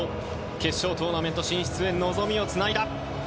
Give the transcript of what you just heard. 決勝トーナメント進出へ望みをつないだ。